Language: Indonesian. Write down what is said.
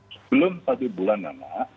sebelum satu bulan nana